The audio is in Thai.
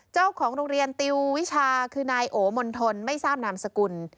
เจ้าของโรงเรียนติววิชาคือนายโอมณฑลไม่ทราบนามสกุล